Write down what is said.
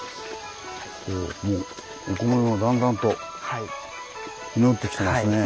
お米もだんだんと実ってきてますね。